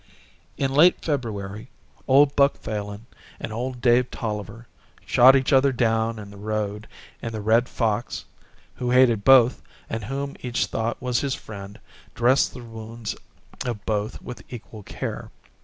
In late February, old Buck Falin and old Dave Tolliver shot each other down in the road and the Red Fox, who hated both and whom each thought was his friend, dressed the wounds of both with equal care.